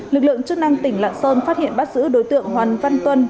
lực lượng chức năng tỉnh lạng sơn phát hiện bắt giữ đối tượng hoàng văn tuân